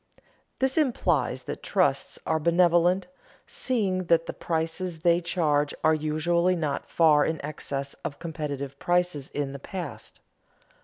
This implies that trusts are benevolent, seeing that the prices they charge are usually not far in excess of competitive prices in the past.